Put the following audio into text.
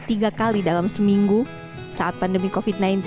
tiga kali dalam seminggu saat pandemi covid sembilan belas